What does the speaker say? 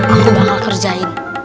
aku bakal kerjain